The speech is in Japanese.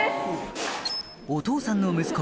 お父さんの息子